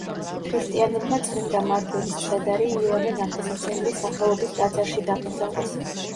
ქრისტიანებმა წმინდა მარტვილის ცხედარი იოანე ნათლისმცემლის სახელობის ტაძარში დაკრძალეს.